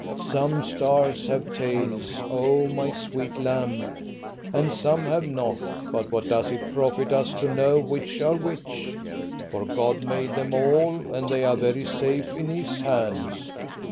Some stars have tails, oh my sweet lamb, and some have not; but what does it profit us to know which are which? For God made them all, and they are very safe in His hands.